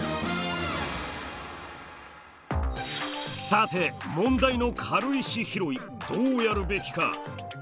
さて問題の軽石拾いどうやるべきか。